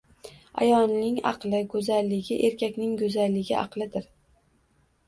Ayolning aqli go’zalligi, erkakning go’zalligi aqlidir.